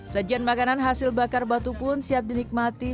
sajian makanan hasil bakar batu pun siap dinikmati